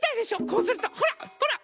こうするとほらほら！